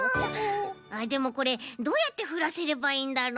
あっでもこれどうやってふらせればいいんだろう？